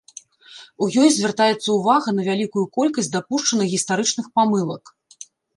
У ёй звяртаецца ўвага на вялікую колькасць дапушчаных гістарычных памылак.